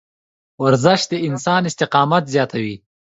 ورزش د انسان استقامت زیاتوي.